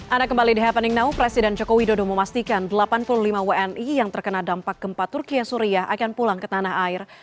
anda kembali di happening now presiden joko widodo memastikan delapan puluh lima wni yang terkena dampak gempa turkiya suriah akan pulang ke tanah air